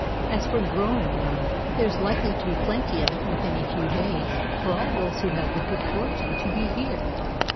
As for 'growing room,' there is likely to be plenty of it within a few days for all those who have the good fortune to be here."